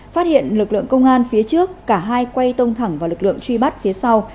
phát hiện lực lượng công an phía trước cả hai quay tông thẳng vào lực lượng truy bắt phía sau